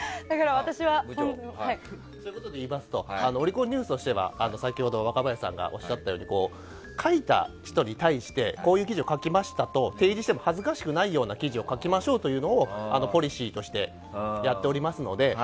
ひと言で言いますとオリコンニュースとしては先ほど、若林さんがおっしゃったように書いた人に対してこういう記事を書きましたと提示しても恥ずかしくないような記事を書きましょうというのをポリシーとしてやっておりますので。